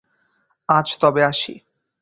আজ তবে আসি।